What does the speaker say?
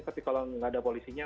tapi kalau nggak ada polisinya